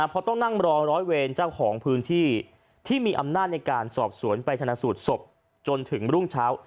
เพราะต้องนั่งรอร้อยเวรเจ้าของพื้นที่ที่มีอำนาจในการสอบสวนไปชนะสูตรศพจนถึงรุ่งเช้า